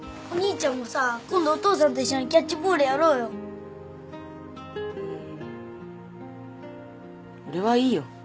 お兄ちゃんもさ今度お父さんと一緒にキャッチボールやろうよ